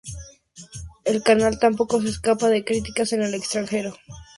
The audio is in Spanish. El canal tampoco se escapa de críticas en el extranjero.